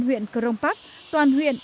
huyện crong park toàn huyện